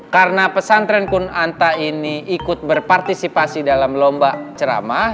karena pesantren kunanta ini ikut berpartisipasi dalam lomba ceramah